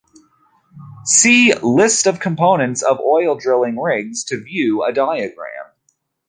See "List of components of oil drilling rigs" to view a diagram.